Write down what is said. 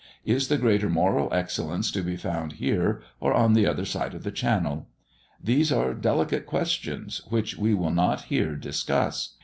Is the greater moral excellence to be found here or on the other side of the channel? These are delicate questions, which we will not here discuss.